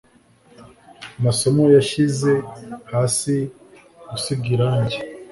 masomo yashyize hasi gusiga irangi.